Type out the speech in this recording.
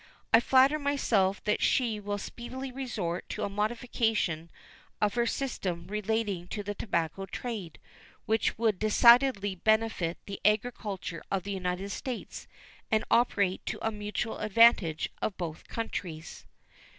I flatter myself that she will speedily resort to a modification of her system relating to the tobacco trade, which would decidedly benefit the agriculture of the United States and operate to the mutual advantage of both countries.